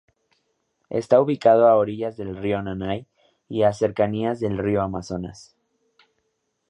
Está ubicado a orillas del río Nanay, y a cercanías del río Amazonas.